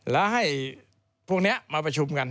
แล้วให้พวกนี้มาประชุมกัน